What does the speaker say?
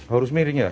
harus miring ya